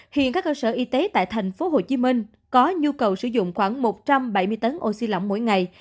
hiện các cơ sở y tế tại tp hcm có nhu cầu sử dụng khoảng một trăm bảy mươi tấn oxy lỏng mỗi ngày